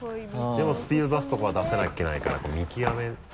でもスピード出すところは出さなきゃいけないからこの見極め。